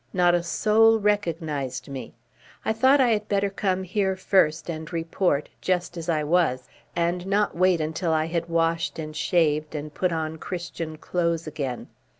Not a soul recognised me. I thought I had better come here first and report, just as I was, and not wait until I had washed and shaved and put on Christian clothes again.